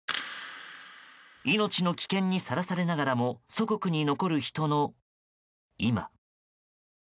命の危険にさらされながらも祖国に残る人の今。